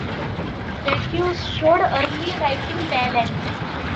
Jacques showed early writing talent.